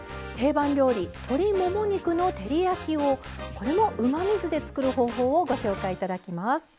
定番料理鶏もも肉の照り焼きをこれもうまみ酢で作る方法をご紹介頂きます。